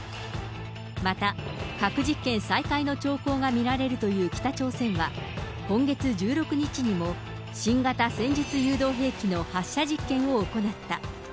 また核実験再開の兆候が見られるという北朝鮮は、今月１６日にも新型戦術誘導兵器の発射実験を行った。